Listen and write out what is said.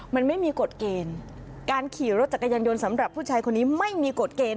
มันไม่มีกฎเกณฑ์การขี่รถจักรยานยนต์สำหรับผู้ชายคนนี้ไม่มีกฎเกณฑ์